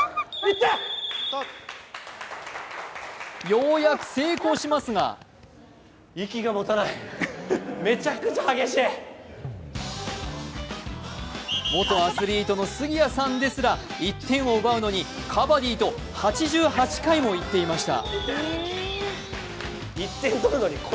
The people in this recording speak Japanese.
ようやく成功しますが元アスリートの杉谷さんですら１点を奪うのにカバディと８８回も言っていました。